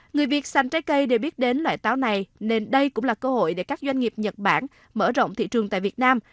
người việt sành trái cây để biết đến loại táo này nên đây cũng là cơ hội để các doanh nghiệp nhật bản mở rộng thị trường tại việt nam